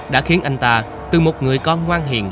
đã khiến anh ta từ một người con ngoan hiền